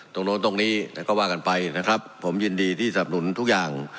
โน้นตรงนี้ก็ว่ากันไปนะครับผมยินดีที่สับหนุนทุกอย่าง